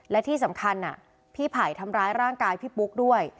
และที่สำคัญพี่ไผ่ทำร้ายร่างกายพี่ปุ๊กด้วย